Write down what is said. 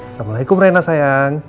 assalamualaikum rena sayang